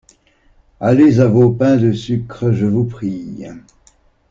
Allez à vos pains de sucre, je vous prie.